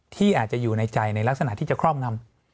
ที่อาจจะอยู่ในใจในลักษณะที่จะครอบงำ